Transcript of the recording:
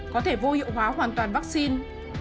có thể vô hiệu hóa hoàn toàn vaccine